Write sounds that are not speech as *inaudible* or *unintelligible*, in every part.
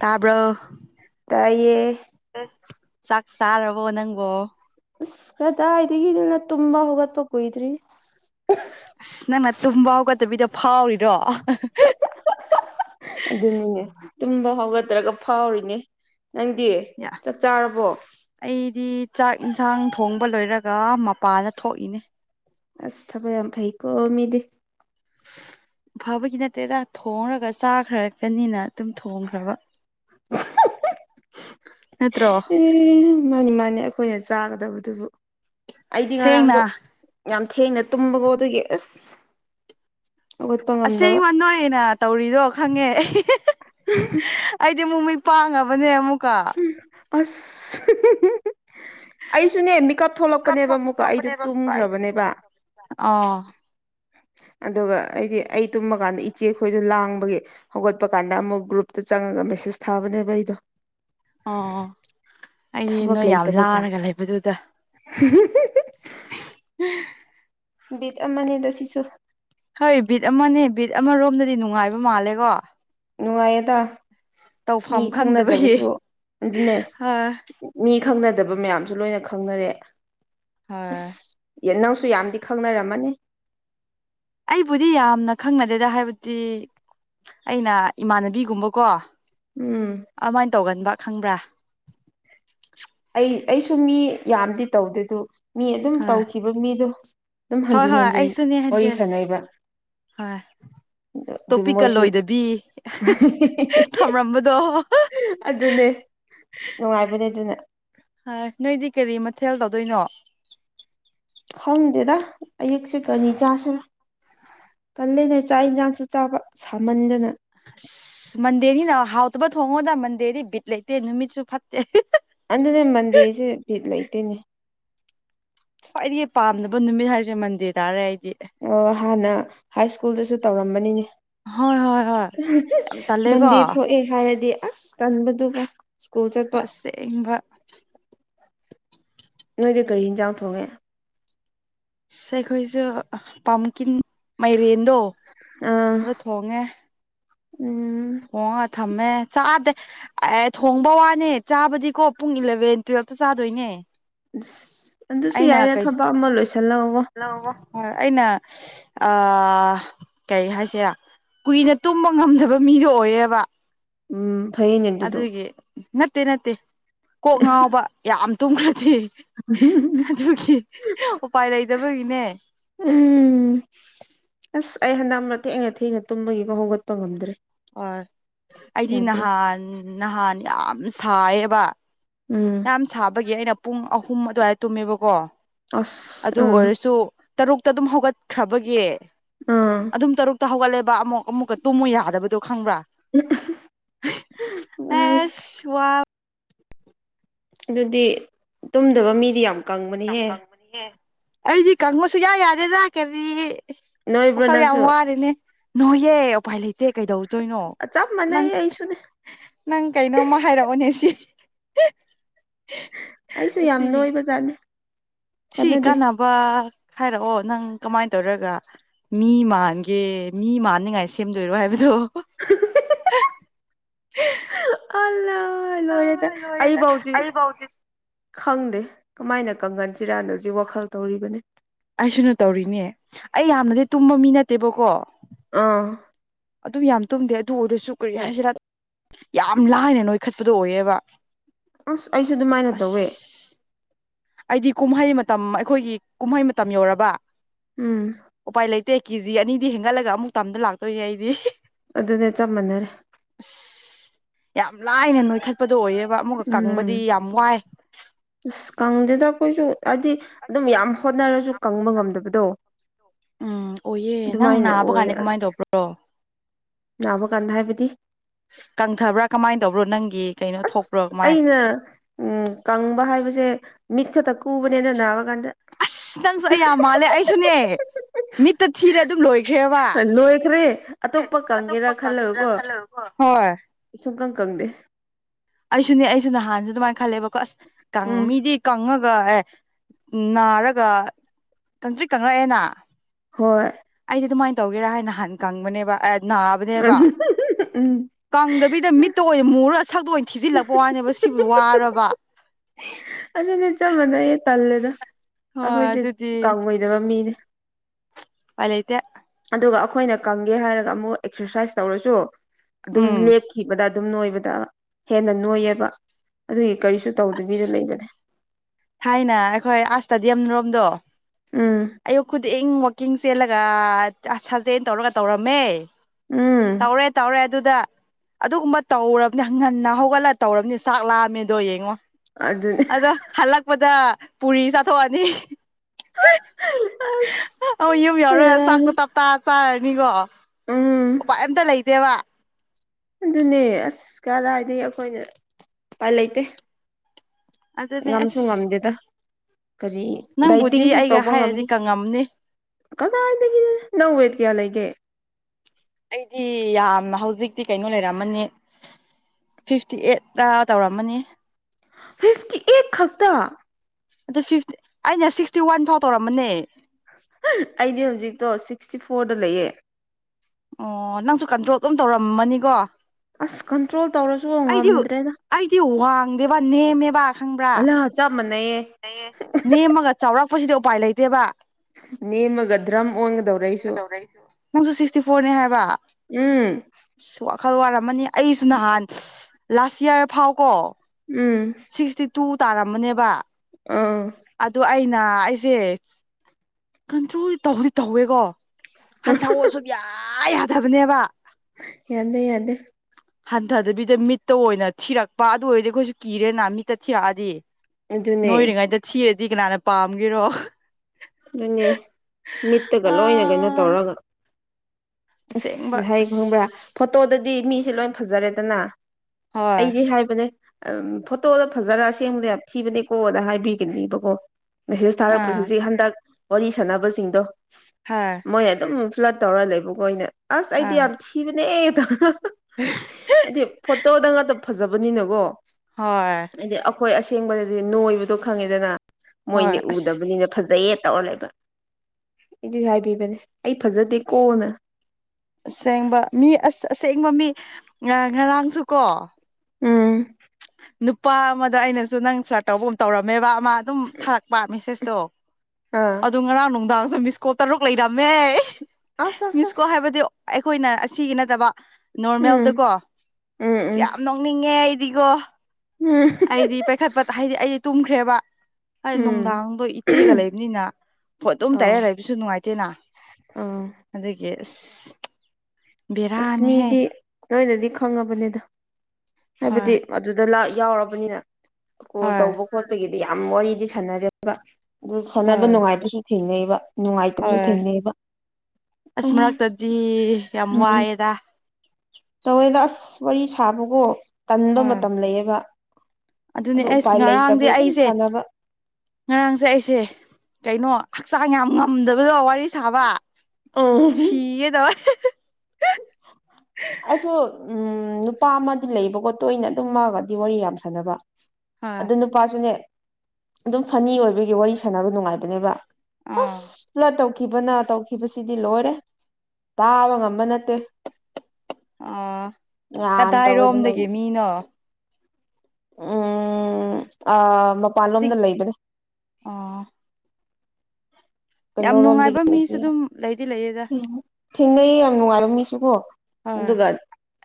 ꯇꯥꯕ꯭ꯔ ꯇꯥꯏꯌꯦ ꯁꯥꯛ ꯁꯥꯔꯕꯣ ꯅꯪꯕꯣ ꯔ꯭ꯔꯗ ꯏꯒ ꯏꯂ ꯇꯨꯝꯕꯥ ꯍꯣꯠꯄꯕꯨꯣꯏꯗ꯭ꯔꯤ ꯑꯁ ꯅꯪꯅ ꯇꯨꯝꯕ ꯍꯧꯒꯠꯇꯕꯤꯗ ꯐꯥꯎꯔꯤꯔꯣ ꯑꯗꯨꯅꯤꯅꯦ ꯇꯨꯝꯕ ꯍꯧꯒꯠꯇ꯭ꯔꯒ ꯐꯥꯎꯔꯤꯅꯦ ꯅꯪꯗꯤ ꯆꯞ ꯆꯥꯔꯕꯣ ꯑꯩꯗꯤ ꯆꯥꯛ ꯏꯟꯁꯥꯡ ꯊꯣꯡꯕ ꯂꯣꯏꯔꯒ ꯃꯄꯥꯥꯟꯅ ꯊꯣꯛꯏꯅꯦ ꯑꯁ ꯊꯕꯩ ꯌꯥꯝ ꯐꯥꯏ ꯀꯣ ꯃꯤꯗꯤ ꯐꯕꯒꯤ ꯅꯠꯇꯦꯗ ꯊꯣꯡꯔꯒ ꯆꯥꯈ꯭ꯔꯀꯅꯤꯅ ꯑꯗꯨꯝ ꯊꯣꯡꯈ꯭ꯔꯕ *unintelligible* ꯅꯠꯇ꯭ꯔꯣ *inaudible* ꯎ ꯃꯥꯅꯤ ꯃꯥꯅꯤ ꯑꯩꯈꯣꯏꯅ ꯆꯥꯒꯗꯕꯗꯨꯕꯨ ꯑꯩꯗꯤ ꯉꯔꯥꯡꯗꯣ ꯊꯦꯡꯅ ꯌꯥꯝ ꯊꯦꯡꯅ ꯇꯨꯝꯕ ꯐꯣ ꯑꯗꯨꯒꯤ ꯑꯁ ꯍꯧꯒꯠꯄ ꯉꯝꯗꯕ ꯑꯁꯦꯡꯕ ꯅꯣꯏ ꯑꯩꯅ ꯇꯧꯔꯤꯗꯣ ꯈꯪꯉꯦ ꯑꯩ ꯑꯩꯗꯤ ꯑꯃꯨꯛꯩ ꯄꯥꯡꯉꯕꯅꯦ ꯑꯃꯨꯛꯀ ꯑꯁ *inaudible* ꯑꯩꯁꯨꯅꯦ ꯃꯤꯀꯞ ꯊꯣꯛꯂꯛꯄꯅꯦꯕ ꯑꯃꯨꯛꯀ ꯑꯩꯗꯨ ꯀꯞꯊꯣꯛꯂꯛꯄꯅꯦꯕ ꯇꯨꯝꯈ꯭ꯔꯕꯅꯦꯕ ꯑꯥ *inaudible* *unintelligible* *inaudible* ꯑꯗꯨꯒ ꯑꯩꯗꯤ ꯑꯩ ꯇꯨꯝꯕꯀꯥꯟꯗ ꯏꯆꯦꯈꯣꯏꯗ ꯂꯥꯡꯕꯒꯤ ꯍꯧꯒꯠꯄ ꯀꯥꯟꯗ ꯑꯃꯨꯛ ꯒ꯭ꯔꯨꯞꯇ ꯆꯪꯉꯒ ꯂꯩ ꯃꯦꯁꯦꯁ ꯊꯥꯕꯅꯦꯕ ꯑꯩꯗꯣ ꯑꯣ ꯑꯩ ꯊꯕꯛ ꯅꯣꯏ ꯌꯥꯝ ꯂꯩꯇꯕ ꯆꯥꯡ ꯂꯥꯔꯒ ꯂꯩꯕꯗꯨꯗ *inaudible* ꯕꯤꯠ ꯑꯃꯅꯤꯗ ꯁꯤꯁꯨ ꯍꯣꯏ ꯕꯤꯠ ꯑꯃꯅꯦ ꯕꯤꯠ ꯑꯃꯔꯣꯝꯗꯗꯤ ꯅꯨꯡꯉꯥꯏꯕ ꯃꯥꯜꯂꯦꯀꯣ ꯅꯨꯡꯉꯥꯏꯌꯦꯗ ꯃꯤ ꯇꯧꯐꯝ ꯈꯪꯗꯕꯒꯤ ꯈꯪꯅꯗꯕꯁꯨ ꯑꯗꯨꯅꯦ ꯍꯣꯏ ꯃꯤ ꯈꯪꯅꯗꯕ ꯃꯌꯥꯝꯁꯨ ꯂꯣꯏꯅ ꯈꯪꯅꯔꯦ ꯍꯣꯌ ꯁꯨ ꯌꯥꯝꯗꯤ ꯈꯪꯅꯔꯝꯃꯅꯤ ꯑꯩꯕꯨꯗꯤ ꯌꯥꯝꯅ ꯈꯪꯅꯗꯦꯗ ꯍꯥꯏꯕꯗꯤ ꯑꯩꯅ ꯏꯃꯥꯟꯅꯕꯤꯒꯨꯝꯕꯀꯣ ꯎꯝ ꯑꯃꯥꯏꯅ ꯇꯧꯒꯟꯕ ꯈꯪꯕ꯭ꯔꯥ ꯑꯩ ꯑꯩꯁꯨ ꯃꯤ ꯌꯥꯝꯗꯤ ꯇꯧꯗꯦꯗꯨ ꯃꯤ ꯑꯗꯨꯝ ꯍꯣꯏ ꯇꯧꯈꯤꯕ ꯃꯤꯗꯣ ꯑꯗꯨꯝ ꯍꯣꯏ ꯍꯟꯖꯤꯟ ꯍꯟꯖꯤꯟ ꯋꯥꯔꯤ ꯁꯥꯅꯩꯕ ꯋꯥ ꯇꯣꯄꯤꯛꯀ ꯃꯣꯏꯁꯨ ꯂꯣꯏꯗꯕꯤ ꯊꯝꯔꯝꯕꯗꯣ ꯑꯗꯨꯅꯦ ꯅꯨꯡꯉꯥꯏꯕꯅꯦ ꯑꯗꯨꯅ ꯑ ꯅꯣꯏꯗꯤ ꯀꯔꯤ ꯃꯊꯦꯜ ꯇꯧꯗꯣꯏꯅꯣ ꯈꯪꯗꯦꯗ ꯑꯌꯨꯛꯁꯦ ꯀꯔꯤ ꯆꯥꯁꯤꯔ ꯀꯜꯂꯤꯅꯦ ꯆꯥꯛ ꯏꯟꯖꯥꯡꯁꯨ ꯆꯥꯕ ꯁꯥꯃꯟꯗꯅ ꯑꯁ ꯃꯟꯗꯦꯅꯤꯅ ꯍꯥꯎꯇꯕ ꯊꯣꯡꯉꯣꯗ ꯃꯟꯗꯦꯗꯤ ꯕꯤꯠ ꯂꯩꯇꯦ ꯅꯨꯃꯤꯠꯁꯨ ꯐꯠꯇꯦ ꯑꯍꯤ ꯍꯤ ꯑꯗꯨꯅꯦ ꯃꯟꯗꯦꯁꯦ ꯕꯤꯠ ꯂꯩꯇꯦꯅꯦ ꯑꯗꯣ ꯅꯨꯃꯤꯠ ꯍꯥꯏꯁꯦ ꯃꯟꯗꯦ ꯇꯥꯔꯦ ꯑꯩꯗꯤ ꯑ ꯍꯥꯟꯅ ꯍꯥꯏ ꯁ꯭ꯀꯨꯜꯗꯁꯨ ꯇꯧꯔꯝꯕꯅꯤꯅꯦ ꯍꯣꯏ ꯍꯣꯏ ꯍꯣꯏ ꯌꯥꯝ ꯇꯜꯂꯦꯀꯣ ꯃꯟꯗꯤꯔ ꯊꯣꯛꯑꯦ ꯍꯥꯏꯔꯗꯤ ꯑꯁ ꯇꯟꯕꯗꯨꯒ ꯁ꯭ꯀꯨꯜ ꯆꯠꯄ ꯑꯁꯦꯡꯕ ꯅꯣꯏꯗꯤ ꯀꯔꯤ ꯏꯟꯖꯥꯡ ꯊꯣꯡꯉꯦ ꯁꯩꯈꯣꯏꯁꯨ ꯄꯝꯀꯤꯟ ꯃꯥꯏꯔꯦꯟꯗꯣ ꯑꯥ ꯑꯗꯨ ꯊꯣꯡꯉꯦ ꯎꯝ ꯊꯣꯡꯉꯥ ꯊꯝꯃꯦ ꯆꯥꯗꯦ ꯑꯦ ꯊꯣꯡꯕ ꯋꯥꯅꯦ ꯆꯥꯕꯗꯤꯀꯣ ꯄꯨꯡ ꯏꯂꯚꯦꯟ ꯇꯨꯋꯦꯜꯞꯇ ꯆꯥꯗꯣꯏꯅꯦ ꯑꯁ ꯑꯗꯨꯁꯨ ꯑꯩꯅ ꯌꯥꯏꯗ ꯀꯩ ꯊꯕꯛ ꯑꯃ ꯂꯣꯏꯁꯤꯜꯂꯒꯀꯣ ꯂꯧꯕ ꯑꯩꯅ ꯁ ꯑ ꯀꯩ ꯍꯥꯏꯁꯤꯔꯥ ꯀꯨꯏꯅ ꯇꯨꯝꯕ ꯉꯝꯗꯕ ꯃꯤꯗꯣ ꯑꯣꯏꯌꯦꯕ ꯎꯝ ꯐꯩꯌꯦꯅꯦ ꯗꯨꯗꯨ ꯑꯗꯨꯒꯤ ꯅꯠꯇꯦ ꯅꯠꯇꯦ ꯀꯣꯛ ꯉꯥꯎꯕ ꯌꯥꯝ ꯇꯨꯝꯈ꯭ꯔꯦ ꯊꯤ ꯑꯗꯨꯒꯤ ꯎꯄꯥꯏ ꯂꯩꯇꯕꯒꯤꯅꯦ ꯎꯝ ꯑꯁ ꯑꯩ ꯍꯟꯗꯝꯃ ꯊꯦꯡꯅ ꯊꯦꯡꯅ ꯇꯨꯝꯕꯒꯤꯀꯣ ꯍꯧꯒꯠꯄ ꯉꯝꯗ꯭ꯔꯦ ꯑꯣꯏ ꯑꯩꯗꯤ ꯌꯥꯗ꯭ꯔꯦ ꯅꯍꯥꯟ ꯅꯍꯥꯟ ꯌꯥꯝ ꯁꯥꯏꯌꯦꯕ ꯎꯝ ꯌꯥꯝ ꯁꯥꯕꯒꯤ ꯑꯩꯅ ꯄꯨꯡ ꯑꯍꯨꯝ ꯑꯗꯨꯋꯥꯏ ꯇꯨꯝꯃꯦꯕꯀꯣ ꯑꯁ ꯑꯗꯨ ꯎꯝ ꯑꯣꯏꯔꯁꯨ ꯇꯔꯨꯛꯇ ꯑꯗꯨꯝ ꯍꯧꯒꯠꯈ꯭ꯔꯕꯒꯤ ꯎꯝ ꯑꯗꯨꯝ ꯇꯔꯨꯛ ꯇ ꯍꯧꯒꯠꯂꯦꯕ ꯑꯃꯨꯛ ꯑꯃꯨꯛꯀ ꯇꯨꯝꯃꯨ ꯌꯥꯗꯕꯗꯣ ꯈꯪꯕ꯭ꯔꯥ ꯍꯤ ꯑꯁ ꯍꯩꯁ ꯋꯥ ꯑꯗꯨꯗꯤ ꯇꯨꯝꯗꯕ ꯃꯤꯗꯤ ꯌꯥꯝ ꯌꯥꯝ ꯀꯪꯕꯅꯤꯍꯦ ꯀꯪꯕꯅꯤꯍꯦ ꯑꯩꯗꯤ ꯀꯪꯉꯨ ꯁꯨꯌꯥ ꯌꯥꯗꯦꯗ ꯀꯔꯤ ꯅꯣꯏꯕ꯭ꯔꯣ ꯋꯥꯈꯜ ꯅꯪꯁꯨ ꯌꯥꯝ ꯋꯥꯔꯦꯅꯦ ꯅꯣꯏꯌꯦ ꯎꯄꯥꯏ ꯂꯩ ꯗꯦ ꯀꯩꯗꯧꯗꯣꯏꯅꯣ ꯆꯞ ꯃꯥꯟꯅꯩ ꯅꯪ ꯑꯩꯁꯨꯅꯦ ꯅꯪ ꯀꯩꯅꯣꯝꯃ ꯍꯥꯏꯔꯛꯑꯣꯅꯦ ꯁꯤ ꯑꯩꯁꯨ ꯌꯥꯝ ꯑꯁꯤꯒꯤ ꯅꯣꯏꯕ ꯖꯥꯠꯅꯤ ꯁꯤ ꯀꯥꯟꯅꯕ ꯍꯥꯏꯔꯛꯑꯣ ꯅꯪ ꯀꯃꯥꯏ ꯇꯧꯔꯒ ꯃꯤ ꯃꯥꯟꯒꯦ ꯃꯤ ꯃꯥꯟꯅꯤꯉꯥꯏ ꯁꯦꯝꯗꯣꯏꯔꯣ ꯍꯥꯏꯕꯗꯣ ꯑꯜꯂꯥ ꯍꯣꯏ ꯑ ꯂꯣꯏꯔꯦꯗ ꯑꯩ ꯂꯣꯏꯔꯦꯗ ꯐꯥꯎꯖꯤ ꯑꯩꯕꯧꯗꯤ ꯈꯪꯗꯦ ꯀꯃꯥꯏꯅ ꯀꯪꯒꯟꯁꯤꯔꯥꯅꯣꯖꯤꯛ ꯋꯥꯈꯜ ꯇꯧꯔꯤꯕꯅꯤ ꯑꯩꯁꯨꯅ ꯇꯧꯔꯤꯅꯦ ꯑꯩ ꯌꯥꯝꯅꯗꯤ ꯇꯨꯝꯕ ꯃꯤ ꯅꯠꯇꯦꯕꯀꯣ ꯑꯥ ꯑꯗꯨꯝ ꯌꯥꯝ ꯇꯨꯝꯗꯦ ꯑꯗꯨ ꯑꯣꯏꯔꯁꯨ ꯀꯔꯤ ꯍꯥꯏꯁꯤꯔꯥ ꯌꯥꯝ ꯂꯥꯏꯅ ꯅꯣꯏꯈꯠꯄꯗꯣ ꯑꯣꯏꯌꯦꯦꯕ ꯑꯁ ꯑꯩꯁꯨ ꯑꯗꯨꯃꯥꯏꯅ ꯇꯧꯋꯦ ꯑꯩꯗꯤ ꯀꯨꯝꯍꯩ ꯃꯇꯝ ꯑꯩꯈꯣꯏꯒꯤ ꯀꯨꯝꯍꯩ ꯃꯇꯝ ꯌꯧꯔꯕ ꯎꯝ ꯇꯦꯛ ꯀꯦꯖꯤ ꯑꯅꯤꯗꯤ ꯍꯦꯟꯒꯠꯂꯒ ꯑꯃꯨꯛ ꯇꯝꯗ ꯂꯥꯛꯇꯣꯏꯅꯦ ꯑꯩꯗꯤ ꯑꯗꯨꯅꯦ ꯆꯞ ꯃꯥꯟꯅꯔꯦ ꯌꯥꯝ ꯂꯥꯏꯅ ꯅꯣꯏꯈꯠꯄꯗꯣ ꯑꯣꯏꯌꯦꯦꯕ ꯑꯃꯨꯛꯒ ꯀꯪꯕꯗꯤ ꯌꯥꯝ ꯋꯥꯏ ꯑꯁ ꯀꯪꯗꯦꯗ ꯑꯩꯈꯣꯏꯁꯨ ꯍꯥꯏꯗꯤ ꯑꯗꯨꯝ ꯌꯥꯝ ꯍꯣꯠꯅꯔꯁꯨ ꯀꯪꯕ ꯉꯝꯗꯕꯗꯣ ꯎꯝ ꯑꯣꯏꯌꯦ ꯅꯪ ꯑꯗꯨꯃꯥꯏꯅ ꯅꯥꯕ ꯑꯣꯏꯌꯦ ꯀꯥꯟꯗ ꯑꯁ ꯀꯃꯥꯏꯅ ꯇꯧꯕ꯭ꯔꯣ ꯅꯥꯕ ꯀꯥꯟꯗ ꯍꯥꯏꯕꯗꯤ ꯀꯪꯊꯕ꯭ꯔꯥ ꯀꯃꯥꯏꯅ ꯇꯧꯕ꯭ꯔꯣ ꯅꯪꯒꯤ ꯀꯩꯅꯣ ꯑꯁ ꯊꯣꯛꯄ꯭ꯔꯣ ꯀꯃꯥꯏ ꯑꯩꯅ ꯎ ꯀꯪꯕ ꯍꯥꯏꯕꯁꯦ ꯃꯤꯠ ꯃ ꯇ ꯀꯨꯕꯅꯤꯅꯅꯅꯥꯑꯒꯥꯟꯗ ꯑꯁ ꯅꯪꯁꯨ ꯑꯩ ꯌꯥꯝ ꯃꯥꯜꯂꯦ ꯑꯩꯁꯨꯅꯦ ꯃꯤꯠꯇ ꯊꯤꯔꯦ ꯑꯗꯨꯝ ꯂꯣꯏꯈ꯭ꯔꯦꯕ ꯂꯣꯏꯈ꯭ꯔꯦ ꯑꯇꯣꯞꯄ ꯀꯪꯒꯦꯔꯥ ꯑꯇꯣꯞꯄ ꯀꯪꯒꯦꯔꯥ ꯈꯜꯂꯨꯔꯀꯣ ꯍꯣꯏ ꯈꯜꯂꯒꯀꯣꯨꯡꯀꯪ ꯀꯪꯗꯦ ꯑꯩꯁꯨꯅꯦ ꯑꯩꯁꯨ ꯅꯍꯥꯟꯁꯨ ꯑꯗꯨꯃꯥꯏꯅ ꯈꯜꯂꯦꯕꯀꯣ ꯑꯁ ꯎꯝ ꯃꯤꯗꯤ ꯀꯪꯉꯒ ꯑꯦ ꯅꯥꯔꯒ ꯀꯪꯇ꯭ꯔꯤꯠ ꯀꯉꯛꯑꯦꯅ ꯍꯣꯏ ꯇꯧꯒꯦꯔꯥ ꯍꯥꯏꯅ ꯍꯥꯟ ꯀꯪꯕꯅꯦꯕ ꯑꯦ ꯅꯥꯕꯅꯦꯕ ꯎꯝ ꯀꯪꯗꯕꯤꯗ ꯃꯤꯠꯇ ꯑꯣꯏ ꯃꯨꯔ ꯁꯛꯇꯣꯏꯏꯅꯤ ꯊꯤꯖꯤꯜꯂꯛꯄ ꯋꯥꯅꯦꯕ ꯁꯤꯕꯨ ꯋꯥꯔꯕ ꯑꯗꯨꯗ ꯅ ꯆ ꯃꯅ ꯌꯦ ꯆꯜꯂꯦꯗ ꯍꯣꯏ ꯑꯩꯈꯣꯏꯁꯦ ꯑꯗꯨꯗꯤ ꯀꯥꯎꯉꯣꯏꯗꯕ ꯃꯤꯅꯦ ꯎꯄꯥꯏ ꯂꯩꯇꯦ ꯑꯗꯨꯒ ꯑꯩꯈꯣꯏꯅ ꯀꯪꯒꯦ ꯍꯥꯏꯔꯒ ꯑꯃꯨꯛ ꯑꯦꯛꯁꯔꯁꯥꯏꯁ ꯇꯧꯔꯁꯨ ꯑꯗꯨꯝ ꯎꯝ ꯂꯦꯞꯈꯤꯕꯗ ꯑꯗꯨꯝ ꯅꯣꯏꯕꯗ ꯍꯦꯟꯅ ꯅꯣꯏꯌꯦꯕ ꯑꯗꯨꯒꯤ ꯀꯔꯤꯁꯨ ꯇꯧꯗꯕꯤꯗ ꯂꯩꯕꯅꯦ ꯊꯥꯏꯅ ꯑꯩꯈꯣꯏ ꯑꯁꯇꯗꯤꯌꯝ ꯔꯣꯝꯗꯣ ꯎꯝ ꯑꯌꯨꯛ ꯈꯨꯗꯤꯡ ꯋꯥꯛꯀꯤꯡ ꯆꯦꯜꯂꯒ ꯁꯥꯖꯦꯟ ꯇꯧꯔꯒ ꯇꯧꯔꯝꯃꯦ ꯎꯝ ꯇꯧ꯭ꯔꯦ ꯇꯧꯔꯦ ꯑꯗꯨ ꯑꯗꯨꯗ ꯑꯗꯨꯒꯨꯝꯕ ꯇꯧꯔꯕꯅꯤ ꯉꯟꯅ ꯍꯧꯒꯠꯂꯒ ꯇꯧꯔꯕꯅꯤꯅꯦ ꯆꯥꯛ ꯂꯥꯛꯑꯝꯃꯦꯗꯣ ꯌꯦꯡꯉꯣ ꯑꯗꯨꯅꯦ ꯑꯗꯣ ꯍꯜꯂꯛꯄꯗ ꯄꯨꯔꯤ ꯆꯥꯊꯣꯛꯑꯅꯤ ꯑꯁ ꯑꯣ ꯌꯨꯝ ꯌꯥꯎꯔ ꯕꯦꯔꯥꯅꯤ ꯆꯥꯛꯄꯣ ꯇꯞꯇꯥ ꯆꯥꯔꯅꯤꯀꯣ ꯎꯝ ꯎꯄꯥꯏ ꯑꯝꯇ ꯂꯩꯇꯦꯕ ꯑꯗꯨꯅꯦ ꯑꯁ ꯀꯗꯥꯏꯗꯒꯤ ꯑꯩꯈꯣꯏꯅ ꯎꯄꯥꯏꯜ ꯂꯩꯇꯦ ꯑꯗꯨꯅꯦ ꯉꯝꯁꯨꯨ ꯑꯁ ꯉꯝꯗꯦꯗ ꯀꯔꯤ ꯅꯪꯕꯨꯗꯤ ꯗꯥꯏꯇꯤꯡꯁꯨ ꯑꯩꯒ ꯇꯧꯕ ꯍꯥꯏꯔꯗꯤ ꯉꯝꯗꯦ ꯀꯪꯉꯝꯅꯤ ꯀꯗꯥꯏꯗꯒꯤ ꯅꯧꯋꯦꯠ ꯀꯌꯥ ꯂꯩꯒꯦ ꯑꯩꯗꯤ ꯌꯥꯝ ꯍꯧꯖꯤꯛꯇꯤ ꯀꯩꯅꯣ ꯂꯩꯔꯝꯃꯅꯤ ꯐꯤꯐꯇꯤ ꯑꯩꯠꯇ ꯇꯧꯔꯝꯃꯅꯤ ꯐꯤꯐꯇꯤ ꯑꯩꯠ ꯈꯛꯇ ꯑꯗꯨ ꯐꯤꯇꯤ ꯑꯩꯅ ꯁꯤꯛꯁꯇꯤ ꯋꯥꯟ ꯐꯥꯎ ꯇꯧꯔꯝꯃꯅꯦ ꯑꯩꯗꯤ ꯍꯧꯖꯤꯛꯇꯣ ꯁꯤꯛꯁꯇꯤ ꯐꯣꯔꯗ ꯂꯩꯌꯦꯦ ꯑꯣ ꯅꯪꯁꯨ ꯀꯟꯇ꯭ꯔꯣꯜ ꯑꯗꯨꯝ ꯇꯧꯔꯝꯃꯅꯤꯀꯣ ꯑꯁ ꯀꯟꯇ꯭ꯔꯣꯜ ꯇꯧꯔꯁꯨ ꯉꯝꯗ꯭ꯔꯦꯗ ꯈꯪꯗꯦꯕ ꯅꯦꯝꯃꯦꯕ ꯈꯪꯕ꯭ꯔꯥ ꯑꯂꯥ ꯆꯞ ꯃꯥꯟꯅꯩꯌꯦ ꯅꯦꯝꯃꯒ ꯆꯥꯎꯔꯛꯄꯁꯤꯗꯤ ꯎꯄꯥꯏ ꯂꯩꯇꯦꯕ ꯅꯦꯝꯃꯒ ꯗ꯭ꯔꯝ ꯑꯣꯟꯒꯗꯧꯔꯦ ꯑꯩꯁꯨ ꯁꯨ ꯁꯤꯇ ꯐꯣꯔꯅꯦ ꯍꯥꯏꯕ ꯎꯝ ꯑ ꯋꯥꯈꯜ ꯋꯥꯔꯝꯃꯅꯤ ꯑꯩꯁꯨ ꯅꯍꯥꯟ ꯂꯥꯁ ꯏꯌꯥꯔ ꯐꯥꯎ ꯀꯣ ꯎꯝ ꯁꯤꯛꯁꯇꯤ ꯇꯨ ꯇꯥꯔꯝꯕꯅꯦꯕ ꯑꯥ ꯅ ꯑꯩꯁꯦ ꯀꯟꯇ꯭ꯔꯣꯜ ꯇꯧꯗꯤ ꯇꯧꯋꯦꯀꯣ ꯍꯟꯊꯁꯨꯨꯝ ꯌꯥ ꯌꯥꯗꯕꯅꯦꯕ ꯌꯥꯗꯦ ꯌꯥꯗꯦ ꯇꯟꯊꯗꯕꯤꯗ ꯃꯤꯠꯇ ꯑꯣꯏꯅ ꯊꯤꯔꯛꯄ ꯑꯗꯨ ꯑꯣꯏꯔꯗꯤ ꯑꯩꯈꯣꯏꯁꯨ ꯀꯤꯔꯦꯅ ꯃꯤꯠꯇ ꯊꯤꯔꯛꯑꯗꯤ ꯑꯗꯨꯅꯦ ꯅꯣꯏꯔꯤꯉꯩꯗ ꯊꯤꯔꯗꯤ ꯀꯅꯥꯅ ꯄꯥꯝꯒꯦꯔꯣ ꯑꯗꯨꯅꯦ ꯃꯤꯠꯇꯒ ꯂꯣꯏꯅ ꯀꯩꯅꯣ ꯑꯥ ꯇꯧꯔꯒ ꯑꯁꯦꯡꯕ ꯑꯁ ꯍꯥꯏ ꯈꯪꯕ꯭ꯔꯥ ꯑꯁ ꯐꯣꯇꯣꯗꯗꯤ ꯃꯤꯁꯦ ꯂꯣꯏ ꯐꯖꯔꯦꯗꯅ ꯍꯣꯏ ꯑꯩꯁꯦ ꯍꯥꯏꯕꯅꯦ ꯎ ꯐꯣꯇꯣꯗꯣ ꯐꯖꯔ ꯑꯁꯦꯡꯕꯗ ꯌꯥꯝ ꯊꯤꯕꯅꯦꯀꯣꯅ ꯍꯥꯏꯕꯤꯒꯅꯦꯕꯀꯣ ꯃꯦꯁꯦꯁ ꯊꯥꯔꯛꯄꯁꯨ ꯑꯥ ꯍꯧꯖꯤꯛ ꯍꯟꯗꯛ ꯋꯥꯔꯤ ꯁꯥꯟꯅꯕꯁꯤꯡꯗꯣ ꯍꯣꯏ ꯃꯣꯏ ꯑꯗꯨꯝ ꯐ꯭ꯂꯠ ꯇꯧꯔ ꯂꯩꯕꯈꯣꯅꯦ ꯑꯁ ꯑꯩꯗꯤ ꯑꯥ ꯌꯥꯝ ꯊꯤꯕꯅꯦ ꯍꯥꯏꯗꯤ ꯐꯣꯇꯣꯗ ꯉꯥꯛꯇ ꯐꯖꯕꯅꯤꯅꯀꯣ ꯍꯣꯏ *inaudible* ꯍꯥꯏꯗꯤ ꯑꯩꯈꯣꯏ ꯑꯁꯦꯡꯕꯗꯗꯤ ꯅꯣꯏꯕꯗꯣ ꯈꯪꯉꯦꯗꯅ ꯃꯣꯏꯗꯤ ꯍꯣꯏ ꯑꯁ ꯎꯗꯕꯅꯤꯅ ꯐꯖꯩ ꯇꯧꯔꯂꯦꯕ ꯑꯩꯗꯤ ꯍꯥꯏꯕꯤꯕꯅꯦ ꯑꯩ ꯐꯖꯗꯦ ꯀꯣꯅ ꯑꯁꯦꯡꯕ ꯃꯤ ꯑꯁ ꯑꯁꯦꯡꯕ ꯃꯤ ꯉꯔꯥꯡꯁꯨꯀꯣ ꯎꯝ *inaudible* ꯅꯨꯄꯥ ꯑꯃꯗ ꯑꯩꯅꯁꯨ ꯅꯪ ꯐ꯭ꯂꯥꯠ ꯇꯧꯕ ꯑꯃ ꯇꯧꯔꯝꯃꯦꯕ ꯑꯃ ꯑꯗꯨꯝ ꯊꯥꯔꯛꯄ ꯃꯦꯁꯦꯖꯇꯣ ꯑꯥ ꯑꯗꯨ ꯉꯔꯥꯡ ꯅꯨꯡꯗꯥꯡ ꯑ ꯃꯤꯁꯀꯣ ꯇꯔꯨꯛ ꯂꯩꯔꯝꯃꯦ ꯑꯁ ꯑꯁ ꯃꯤꯁꯀꯣ ꯑꯁ ꯍꯥꯏꯕꯗꯤ ꯑꯩꯈꯣꯏꯅ ꯑꯁꯤꯒꯤ ꯅꯠꯇꯕ ꯎꯝ ꯅꯣꯔꯃꯦꯜꯗꯀꯣ ꯎꯝ ꯌꯥꯝ ꯅꯣꯛꯅꯤꯡꯉꯦ ꯑꯩꯗꯤꯀꯣ ꯎꯝ ꯑꯩꯗꯤ ꯄꯥꯏꯈꯠꯄꯗ ꯍꯥꯏꯗꯤ ꯑꯩꯗꯤ ꯇꯨꯝꯈ꯭ꯔꯦꯕ ꯑꯩ ꯎꯝ ꯅꯨꯡꯗꯥꯡꯗꯣ ꯏꯆꯦꯒ ꯎꯝ ꯂꯩꯕꯅꯤꯅ ꯄꯣꯠꯇ ꯑꯗꯨꯝ ꯇꯥꯏꯔ ꯑꯣ ꯂꯩꯕꯁꯨ ꯅꯨꯡꯉꯥꯏꯇꯦꯅ ꯑꯣ ꯑꯗꯒꯤ ꯑꯁ ꯃꯤꯗꯤ ꯂꯣꯏꯅꯗꯤ ꯈꯪꯉꯕꯅꯦꯗ ꯍꯣꯏ ꯍꯥꯏꯕꯗꯤ ꯑꯗꯨꯗ ꯂꯥꯛꯏ ꯌꯥꯎꯔꯕꯅꯤꯅ ꯀꯣꯜ ꯍꯣꯏ ꯇꯧꯕ ꯈꯣꯠꯄꯒꯤꯗꯤ ꯌꯥꯝ ꯋꯥꯔꯤꯗꯤ ꯁꯥꯟꯅꯔꯦꯕ ꯑꯗꯨ ꯁꯥꯟꯅꯕ ꯍꯣꯏ ꯅꯨꯡꯉꯥꯏꯕꯁꯨ ꯊꯦꯡꯅꯩꯕ ꯅꯨꯡꯉꯥꯏꯇꯕꯁꯨ ꯍꯣꯏ ꯊꯦꯡꯅꯩꯕ ꯑꯁ ꯑꯌꯥ ꯃꯔꯛꯇꯗꯤ ꯌꯥꯝ ꯎꯝ ꯋꯥꯏꯑꯦꯗ ꯇꯧꯋꯦꯗ ꯑꯁ ꯋꯥꯔꯤ ꯁꯥꯕꯀꯣ ꯀꯟꯕ ꯍꯣꯏ ꯃꯇꯝ ꯂꯩꯌꯦꯕ ꯑꯗꯨꯅꯦ ꯑꯗꯣ ꯑꯁ ꯎꯄꯥꯏ ꯉꯔꯥꯡꯗꯤ ꯂꯩꯇꯕꯩ ꯑꯗꯨꯝ ꯑꯩꯁꯦ ꯁꯥꯟꯅꯕ ꯉꯔꯥꯡꯁꯦ ꯑꯩꯁꯦ ꯀꯩꯅꯣ ꯍꯛꯆꯥꯡ ꯌꯥꯝ ꯉꯝꯗꯕꯗꯣ ꯋꯥꯔꯤ ꯁꯥꯕ ꯎꯝ ꯁꯤꯒꯦꯗꯧꯕ ꯑꯩꯁꯨ ꯎꯝ ꯅꯨꯄꯥ ꯑꯃꯗꯤ ꯂꯩꯕ ꯈꯣ ꯇꯣꯏꯅ ꯑꯗꯨꯝ ꯃꯥꯑꯒꯗꯤ ꯋꯥꯔꯤ ꯌꯥꯝ ꯁꯥꯟꯅꯕ ꯍꯣꯏ ꯑꯗꯨ ꯅꯨꯄꯥꯁꯨꯅꯦ ꯑꯗꯨꯝ ꯐꯅꯤ ꯑꯣꯏꯕꯒꯤ ꯋꯥꯔꯤ ꯁꯥꯟꯅꯕ ꯅꯨꯡꯉꯥꯏꯕꯅꯦꯕ ꯍꯁ ꯑꯥ ꯂꯇꯧꯀꯤ ꯈꯤꯕꯅ ꯇꯧꯈꯤꯕꯁꯤꯗꯤ ꯂꯣꯏꯔꯦ ꯇꯥꯕ ꯉꯝꯕ ꯅꯠꯇꯦ ꯑꯥ ꯑ ꯇ ꯑꯣꯏꯗꯨ ꯃ ꯀꯗꯥꯏꯔꯣꯝꯗꯒꯤ ꯃꯤꯅꯣ ꯎꯝ ꯑ ꯆꯤꯡ ꯃꯄꯥꯟꯂꯣꯝꯗ ꯂꯩꯕꯅꯦ ꯑꯣ ꯌꯥꯝ ꯀꯩꯅꯣꯔꯣꯝꯗꯒꯤ ꯅꯨꯡꯉꯥꯏꯕ ꯃꯤꯁꯨ ꯑꯗꯨꯝ ꯂꯩꯗꯤ ꯂꯩꯌꯦꯗ ꯊꯦꯡꯅꯩꯌꯦ ꯌꯥꯝ ꯅꯨꯡꯉꯥꯏꯔꯝꯃꯤꯁꯨꯀꯣ ꯍꯣꯏ ꯑꯗꯨꯒ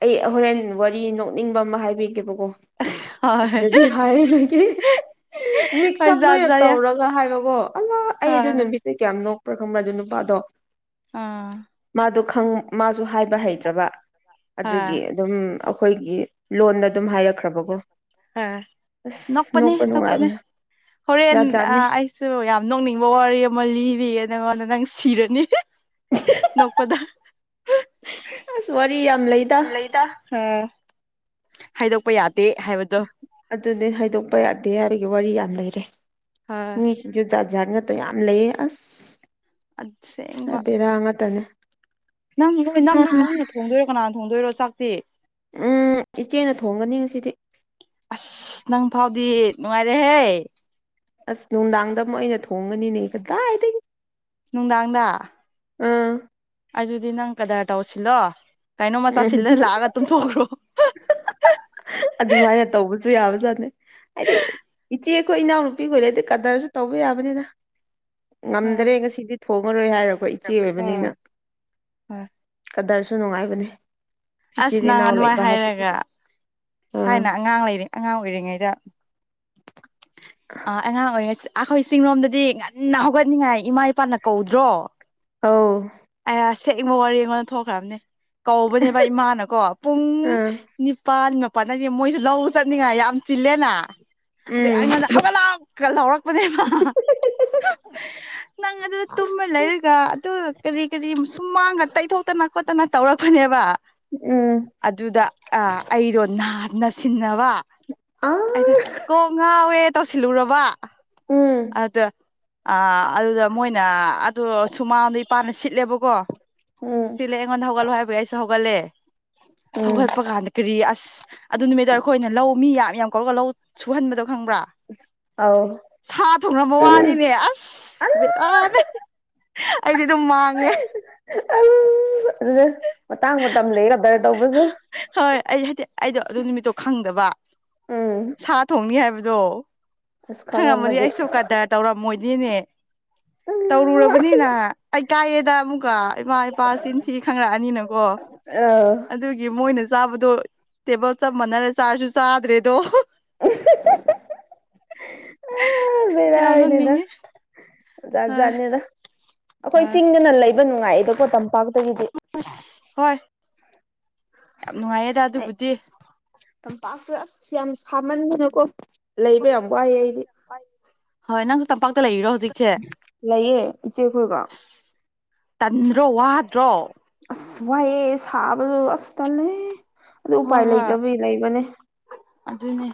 ꯑꯩ ꯍꯣꯔꯦꯟ ꯋꯥꯔꯤ ꯅꯣꯛꯅꯤꯡꯕ ꯑꯃ ꯍꯥꯏꯕꯤꯒꯦꯕ ꯑꯣ ꯍꯣꯏ ꯑꯁꯤꯗꯗꯤ ꯍꯥꯏꯔ ꯅꯣꯏꯒꯤ ꯍꯣꯏ ꯃꯤꯛꯁꯞ ꯖꯥꯠ ꯂꯣꯏꯅ ꯖꯥꯠ ꯌꯥꯝ ꯇꯧꯔꯒ ꯍꯥꯏꯕ ꯑꯣ ꯑꯜꯂꯥ ꯑꯩ ꯍꯣꯏ ꯑꯗꯨ ꯍꯣꯏ ꯅꯨꯃꯤꯠꯇꯨ ꯀꯌꯥꯝ ꯅꯣꯛꯄ꯭ꯔꯥ ꯈꯪꯕ꯭ꯔ ꯑꯗꯨ ꯅꯨꯄꯥꯗꯣ ꯑꯥ ꯃꯥꯁꯨ ꯍꯥꯏꯕ ꯍꯩꯇ꯭ꯔꯕ ꯑꯗꯨꯒꯤ ꯍꯣꯏ ꯑꯗꯨꯝ ꯑꯩꯈꯣꯏꯒꯤ ꯂꯣꯟꯗ ꯑꯗꯨꯝ ꯍꯥꯏꯔꯛꯈ꯭ꯔꯦ ꯣ ꯍꯣꯏ *inaudible* ꯑꯁ ꯅꯣꯛꯄꯅꯦ ꯅꯣꯛꯄ ꯅꯣꯛꯄꯅꯦ ꯅꯨꯡꯉꯥꯏꯕ꯭ꯔꯥ ꯍꯣꯔꯦꯟ ꯑꯩꯁꯨ ꯌꯥꯝ ꯅꯣꯛꯅꯤꯡꯕ ꯋꯥꯔꯤ ꯑꯃ ꯂꯤꯔꯤꯌꯦ ꯅꯉꯣꯟꯗ ꯅꯪ ꯁꯤꯔꯅꯤ ꯅꯣꯛꯄꯗ ꯑꯁ ꯋꯥꯔꯤ ꯌꯥꯝ ꯂꯩꯗ ꯎ ꯍꯥꯏꯗꯣꯛꯄ ꯌꯥꯗꯦ ꯍꯥꯏꯕꯗꯣ ꯑꯗꯨꯅꯦ ꯍꯥꯏꯗꯣꯛꯄ ꯌꯥꯗꯦ ꯍꯥꯏꯕꯒꯤ ꯋꯥꯔꯤ ꯌꯥꯝ ꯂꯩꯔꯦ ꯑ ꯃꯤꯁꯤꯡꯁꯨ ꯑꯣꯖꯥꯠ ꯉꯥꯛꯇ ꯌꯥꯝ ꯂꯩꯌꯦ ꯑꯁ ꯑꯁꯦꯡꯕ ꯍꯥꯏ ꯦꯔꯥ ꯉꯥꯛꯇꯅꯦ ꯅꯪ ꯅꯣꯏ ꯅꯪ ꯅꯪ ꯅꯪꯅ ꯊꯣꯡꯗꯣꯏꯔꯣ ꯀꯅꯥꯅ ꯊꯣꯡꯗꯣꯏꯔꯣ ꯆꯥꯛꯇꯤ ꯎꯝ ꯏꯆꯦꯅ ꯊꯣꯡꯒꯅꯤ ꯉꯁꯤꯗꯤ ꯑꯁ ꯅꯪ ꯐꯥꯎꯗꯤ ꯅꯅꯨꯡꯉꯥꯏꯔꯦ ꯍꯦ ꯑꯁ ꯅꯨꯡꯗꯥꯡꯗ ꯑꯃꯨꯛ ꯑꯩꯅ ꯊꯣꯡꯉꯅꯤꯅꯦ ꯀꯗꯥꯏꯗꯒꯤ ꯅꯨꯡꯗꯥꯡꯗ ꯑꯥ ꯑꯗꯨꯗꯤ ꯅꯪ ꯀꯗꯥꯏ ꯇꯧꯁꯤꯂꯣ ꯀꯩꯅꯣ ꯃꯆꯥ ꯎꯝ ꯁꯤꯜꯂ ꯂꯥꯛꯑꯒ ꯇꯨꯝꯊꯣꯛꯈ꯭ꯔꯣ ꯑꯗꯨ ꯌꯥꯕꯖꯥꯅꯦ ꯍꯥꯏꯗꯤ ꯏꯆꯦ ꯑꯩꯈꯣꯏ ꯏꯅꯥꯎꯅꯨꯄꯤꯈ ꯂꯩꯗꯤ ꯀꯗꯔꯁꯨ ꯇꯧꯕ ꯌꯥꯕꯅꯤꯅ ꯑ ꯉꯝꯗ꯭ꯔꯦ ꯉꯁꯤꯗꯤ ꯊꯣꯡꯉꯔꯣꯏ ꯍꯥꯏꯔꯀꯣ ꯏꯆꯦ ꯑꯣꯏꯕꯅꯤꯅ ꯎꯝ ꯑꯗꯁꯨ ꯁ ꯅꯨꯡꯉꯥꯏꯕꯅꯤ ꯑꯁ ꯅꯪ ꯑꯗꯨꯃꯥꯏ ꯍꯥꯏꯔꯒ ꯑꯥ ꯊꯥꯏꯅ ꯑꯉꯥꯡ ꯂꯩꯔꯤ ꯑꯉꯥꯡ ꯑꯣꯏꯔꯤꯉꯩꯗ ꯑ ꯑꯉꯥꯡ ꯑꯣꯏꯔꯤꯁꯤ ꯑꯩꯈꯣꯏ ꯆꯤꯡꯂꯣꯝꯗꯗꯤ ꯉꯟꯅ ꯍꯧꯒꯠꯅꯤꯡꯉꯥꯏ ꯏꯃꯥ ꯏꯄꯥꯅ ꯀꯧꯗ꯭ꯔꯣ ꯑ ꯁꯦꯛꯦꯡꯅꯤꯡꯕ ꯋꯥꯔꯤꯔꯦꯡꯉꯣꯟꯗ ꯊꯣꯛꯈ꯭ꯔꯕꯅꯦ ꯀꯧꯕꯅꯦꯕ ꯏꯃꯥꯅꯀꯣ ꯄꯨꯡ ꯑꯥ ꯅꯤꯄꯥꯜ ꯐꯅꯗꯤ ꯃꯣꯏꯁꯨ ꯂꯧꯕ ꯆꯠꯅꯤꯡꯉꯥꯏ ꯌꯥꯝ ꯆꯤꯜꯂꯦꯅ ꯑꯗꯨꯗꯩ ꯎꯝ ꯑꯩꯉꯣꯟꯗ ꯍꯧꯒꯠꯂꯀ ꯂꯧꯔꯛꯄꯅꯦꯕ ꯅꯪ ꯑꯗꯨꯗ ꯇꯨꯝꯃ ꯂꯩꯔꯒ ꯑꯗꯨꯒ ꯀꯔꯤ ꯀꯔꯤ ꯁꯨꯝ ꯃꯥꯡꯉ ꯇꯩꯊꯣꯛꯇꯅ ꯈꯣꯠꯇꯅ ꯇꯧꯔꯛꯄꯅꯦꯕ ꯎꯝ ꯑꯗꯨꯗ ꯑꯩꯗꯣ ꯅꯥꯟꯅ ꯁꯤꯟꯅꯕ ꯋꯥ ꯑ ꯍꯥꯏꯗ ꯍꯥꯎꯋꯦ ꯇꯧꯁꯤꯜꯂꯨꯔꯕ ꯎꯝ ꯑꯗ ꯑꯥ ꯑꯗꯨꯗ ꯃꯣꯏꯅ ꯑ ꯁꯨꯃꯥꯡꯗ ꯏꯄꯥꯅ ꯁꯤꯠꯂꯦꯕꯀꯣ ꯎꯝ ꯁꯤꯂ ꯑꯩꯉꯣꯟꯗ ꯍꯧꯒꯠꯂꯣ ꯍꯥꯏꯕꯒꯤ ꯑꯩꯁꯨ ꯍꯧꯒꯠꯂꯦ ꯎꯝ ꯍꯧꯒꯠꯄ ꯀꯥꯟꯗ ꯀꯔꯤ ꯑꯁ ꯑꯗꯨ ꯅꯨꯃꯤꯠꯇ ꯑꯩꯈꯣꯏꯅ ꯂꯧ ꯃꯤ ꯌꯥꯝ ꯌꯥꯝ ꯀꯧꯔꯒ ꯂꯧ ꯁꯨꯍꯟꯕꯗꯣ ꯈꯪꯕ꯭ꯔꯥ ꯑꯧ ꯁꯥ ꯊꯣꯡꯝꯕ ꯋꯥꯅꯤꯅꯦ ꯑꯁ ꯑꯂꯥ ꯕꯦꯔꯥꯅꯦ ꯑꯩꯗꯤ ꯑꯗꯨꯝ ꯃꯥꯡꯉꯦ ꯑꯜ ꯑꯗꯨ ꯃꯇꯥꯡ ꯃꯇꯝ ꯂꯩꯔꯗꯔ ꯍꯣꯏ ꯑꯩ ꯍꯥꯏꯗꯤꯠ ꯑꯩꯗꯣ ꯑꯗꯨ ꯅꯨꯃꯤꯠꯇꯣ ꯈꯪꯗꯕ ꯎꯝ ꯁꯥ ꯊꯣꯡꯅꯤ ꯍꯥꯏꯕꯗꯨ ꯑꯗꯣ ꯑꯁ ꯈꯪꯉꯝꯃꯅꯤ ꯈꯪꯔꯝꯃꯗꯤ ꯑꯩꯁꯨ ꯀꯗꯔ ꯇꯧꯔꯝꯃꯣꯏꯅꯤꯅꯦ ꯑꯂꯥ ꯇꯧꯔꯨꯔꯕꯅꯤꯅ ꯑꯩ ꯀꯥꯏꯑꯗ ꯑꯃꯨꯛꯀ ꯏꯃꯥ ꯏꯄꯥ ꯆꯤꯟꯊꯤ ꯈꯪꯪꯂꯛꯑꯅꯤꯅꯀꯣ ꯑꯥ ꯑ ꯃꯣꯏꯅ ꯆꯥꯕꯗꯣ ꯇꯦꯕꯜ ꯆꯞ ꯃꯥꯟꯅꯔꯦ ꯆꯥꯔꯁꯨ ꯆꯥꯗ꯭ꯔꯦꯗꯣ ꯑꯥ ꯀꯌꯥꯕꯪꯅꯤꯡꯦ ꯑꯣꯖꯥꯠ ꯖꯥꯠꯅꯦꯗ ꯑꯩꯈꯣꯏ ꯍꯣꯏ ꯆꯤꯡꯗꯅ ꯂꯩꯕ ꯅꯨꯡꯉꯥꯏꯌꯦꯗꯀꯣ ꯇꯝꯄꯥꯛꯇ ꯍꯣꯏ ꯌꯥꯝ ꯅꯨꯡꯉꯥꯏꯌꯦꯗ ꯑꯗꯨꯕꯨꯗꯤ ꯑꯝ ꯄꯥ ꯌꯥꯁꯤ ꯌꯥꯝ ꯈꯥꯃꯟꯗꯅꯀꯣ ꯂꯩꯕ ꯌꯥꯝ ꯋꯥꯏ ꯑꯩꯗꯤ ꯍꯣꯏ ꯅꯪꯁꯨ ꯇꯝꯄꯥꯛꯇ ꯂꯩꯔꯤꯔꯣ ꯍꯧꯖꯤꯛꯁꯦ ꯑ ꯂꯩꯌꯦ ꯏꯆꯦꯈꯣꯏꯒ ꯇꯟꯗ꯭ꯔꯣ ꯋꯥꯗ꯭ꯔꯣ ꯑꯁ ꯋꯥꯏꯦꯁ ꯍꯥꯕ ꯑꯁꯇꯥꯂꯦ ꯑꯗꯨ ꯍꯣꯏ ꯎꯄꯥꯏ ꯍꯣꯏ ꯂꯩꯇꯕ ꯂꯩꯕꯅꯤ ꯑꯗꯨꯅꯦ